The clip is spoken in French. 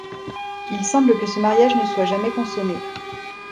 Il semble que ce mariage ne soit jamais consommé.